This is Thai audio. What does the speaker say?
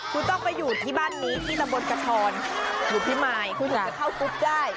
คุณต้องไปอยู่ที่บ้านนี้ที่ระบบกระทรหรือพี่มายคุณจะเข้ากุ๊บได้